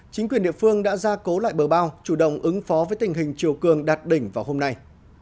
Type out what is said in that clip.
chính quyền địa phương đã ra cố lại bờ bao chủ động ứng phó với tình hình chiều cường đạt đỉnh vào hôm nay